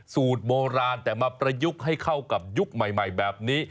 สูตรโบราณแต่มาประยุกต์ให้เข้ากับยุคใหม่แบบนี้